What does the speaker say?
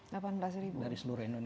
dari seluruh indonesia